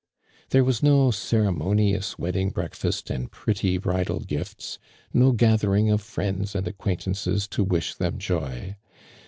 There was no ceremonious wedding break fast and pretty bridal gifts — no nithering of friends and acquaintances to wish them Joy.